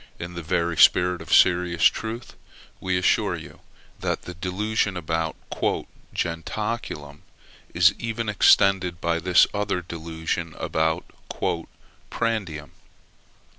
In the very spirit of serious truth, we assure you, that the delusion about "jentaculum" is even exceeded by this other delusion about "prandium."